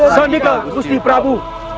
sangika usti prabu